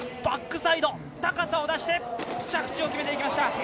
バックサイド、高さを出して着地を決めていきました。